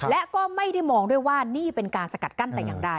และก็ไม่ได้มองด้วยว่านี่เป็นการสกัดกั้นแต่อย่างใด